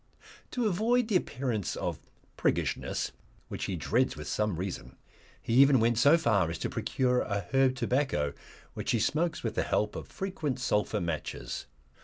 To avoid the appearance of priggishness, which he dreads with some reason, he even went so far as to procure a herb tobacco, which he smokes with the help of frequent sulphur matches.